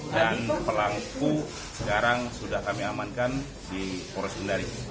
dan pelaku sekarang sudah kami amankan di kores kendari